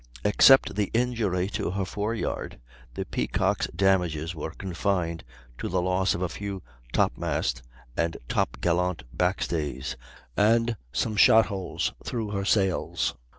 ] Except the injury to her fore yard, the Peacock's damages were confined to the loss of a few top mast and top gallant backstays, and some shot holes through her sails.